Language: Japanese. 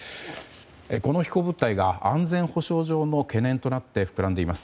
この飛行物体が安全保障上の懸念となって膨らんでいます。